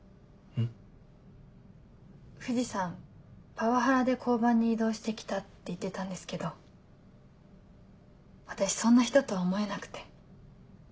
パワハラで交番に異動して来たって言ってたんですけど私そんな人とは思えなくて。